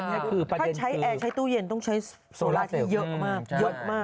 ถ้าใช้แอร์ใช้ตู้เย็นต้องใช้โซล่าเซลล์เยอะมาก